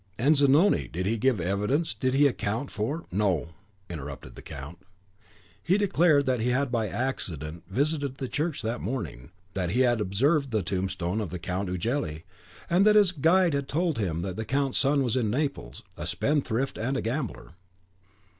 "And Zanoni, did he give evidence, did he account for " "No," interrupted the count: "he declared that he had by accident visited the church that morning; that he had observed the tombstone of the Count Ughelli; that his guide had told him the count's son was in Naples, a spendthrift and a gambler.